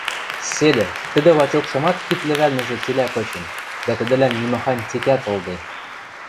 Седӹ, тӹдӹ лачокшымат кид лӹвӓлнӹжӹ цилӓ кычен дӓ тӹдӹлӓн нимахань цикӓт ылде.